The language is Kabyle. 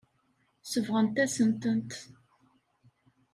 Sebɣent-as-tent.